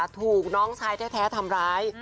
ถูกน้องชายแท้ทำร้าย